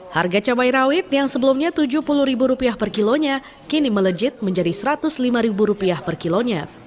harga cabai rawit yang sebelumnya rp tujuh puluh per kilonya kini melejit menjadi rp satu ratus lima per kilonya